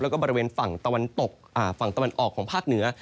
แล้วก็บริเวณฝั่งตะวันออกของภาคเหนือ